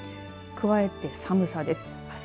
加えて寒さです。